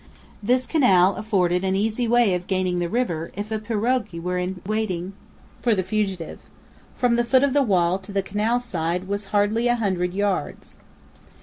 This canal afforded an easy way of gaining the river if a pirogue were in waiting for the fugitive. From the foot of the wall to the canal side was hardly a hundred yards.